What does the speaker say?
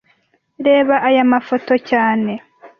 Reba aya mafoto cyane